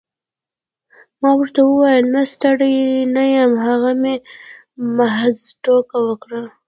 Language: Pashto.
ما ورته وویل نه ستړی نه یم هغه مې محض ټوکه وکړه.